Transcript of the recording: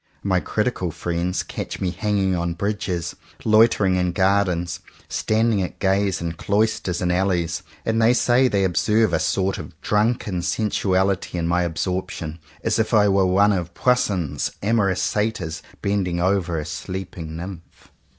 My critical friends catch me hanging on bridges, loitering in gardens, standing at gaze in cloisters and alleys; and they say they observe a sort of drunken sensuality in my absorbtion, as if I were one of Poussin's amorous Satyrs bending over a sleeping Nymph.